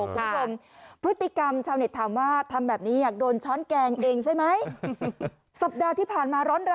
คุณผู้ชมพฤติกรรมชาวเน็ตถามว่าทำแบบนี้อยากโดนช้อนแกงเองใช่ไหม